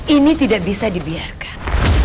ini tidak bisa dibiarkan